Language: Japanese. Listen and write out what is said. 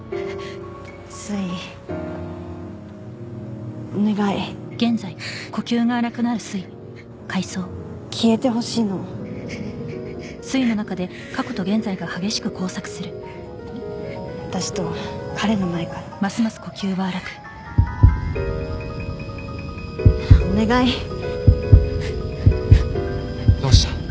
すいお願い消えてほしいの私と彼の前からお願いどうした？